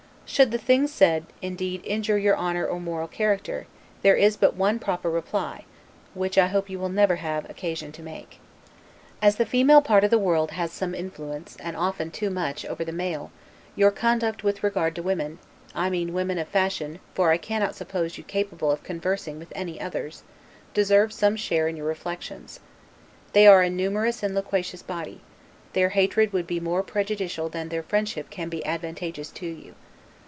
Should the thing said, indeed injure your honor or moral character, there is but one proper reply; which I hope you never will have occasion to make. As the female part of the world has some influence, and often too much, over the male, your conduct with regard to women (I mean women of fashion, for I cannot suppose you capable of conversing with any others) deserves some share in your reflections. They are a numerous and loquacious body: their hatred would be more prejudicial than their friendship can be advantageous to you.